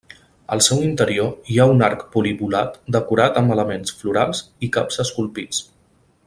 Al seu interior hi ha un arc polilobulat decorat amb elements florals i caps esculpits.